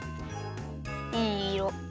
いいいろ。